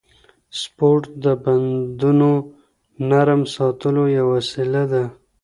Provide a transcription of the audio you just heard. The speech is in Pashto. سپورت د بندونو نرم ساتلو یوه وسیله ده.